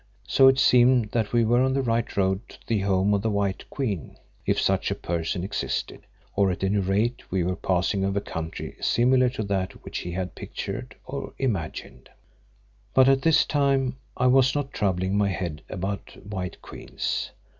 So it seemed that we were on the right road to the home of his white Queen, if such a person existed, or at any rate we were passing over country similar to that which he had pictured or imagined. But at this time I was not troubling my head about white queens.